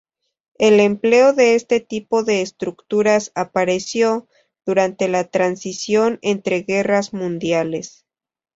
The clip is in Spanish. El empleo de este tipo de estructuras apareció, durante la transición entre guerras mundiales.